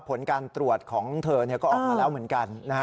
ผลการตรวจของเธอก็ออกมาแล้วเหมือนกันนะฮะ